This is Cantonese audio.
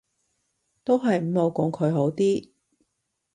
都係唔好講佢好啲